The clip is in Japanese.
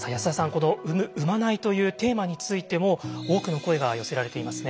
この「産む・産まない」というテーマについても多くの声が寄せられていますね。